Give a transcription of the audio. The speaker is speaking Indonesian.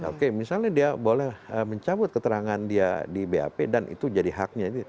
oke misalnya dia boleh mencabut keterangan dia di bap dan itu jadi haknya